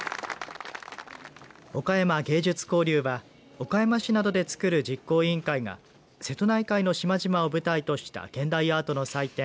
岡山芸術交流は岡山市などでつくる実行委員会が瀬戸内海の島々を舞台とした現代アートの祭典